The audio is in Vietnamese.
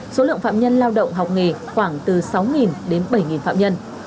số lượng phạm nhân lao động học nghề khoảng từ sáu đến bảy phạm nhân